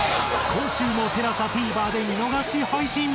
今週もＴＥＬＡＳＡＴＶｅｒで見逃し配信！